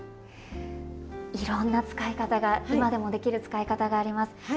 いろんな使い方が今でもできる使い方があります。